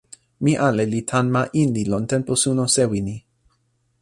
mi ale li tan ma Inli lon tenpo suno sewi ni.